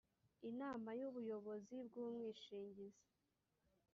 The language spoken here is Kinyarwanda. inama y ubuyobozi bw umwishingizi